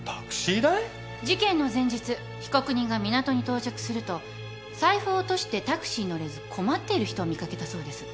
事件の前日被告人が港に到着すると財布を落としてタクシーに乗れず困っている人を見掛けたそうです。